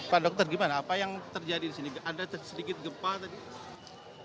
pak dokter gimana apa yang terjadi di sini ada sedikit gempa tadi